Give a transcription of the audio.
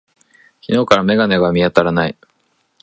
昨日から眼鏡が見当たらない。